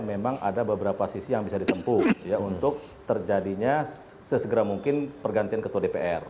memang ada beberapa sisi yang bisa ditempuh untuk terjadinya sesegera mungkin pergantian ketua dpr